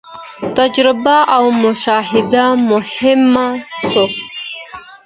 تجربه او مشاهده مهمه سوه.